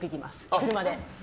車で。